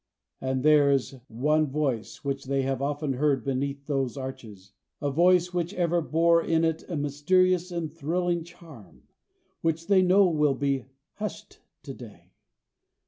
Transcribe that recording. Ah there is one voice which they have often heard beneath those arches a voice which ever bore in it a mysterious and thrilling charm which they know will be hushed to day.